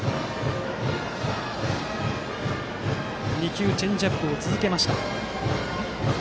２球、チェンジアップを続けました。